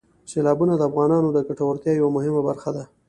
سیلابونه د افغانانو د ګټورتیا یوه مهمه برخه ده.